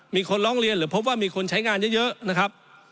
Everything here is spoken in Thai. มีคนลองเรียนหรือพบว่ามีคนใช้งานเยอะ